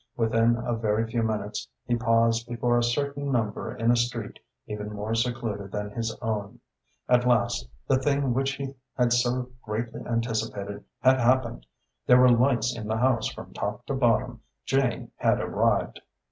Within a very few minutes he paused before a certain number in a street even more secluded than his own. At last the thing which he had so greatly anticipated had happened. There were lights in the house from top to bottom. Jane had arrived!